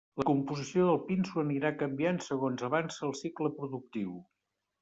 La composició del pinso anirà canviant segons avance el cicle productiu.